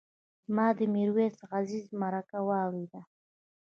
ما د میرویس عزیزي مرکه واورېده.